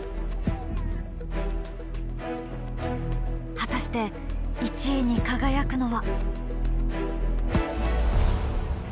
果たして１位に輝くのは？